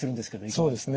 そうですね